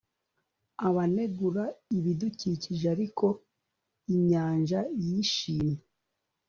Abanegura ibidukikije ariko inyanja yishimye